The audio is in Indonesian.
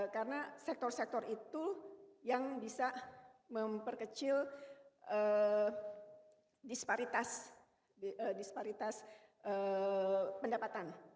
karena sektor sektor itu yang bisa memperkecil disparitas pendapatan